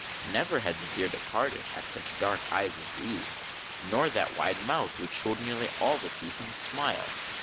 Never had the "dear departed " such dark eyes as these, nor that wide mouth which showed nearly all the teeth in a smile.